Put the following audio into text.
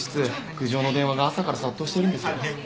苦情の電話が朝から殺到してるんです。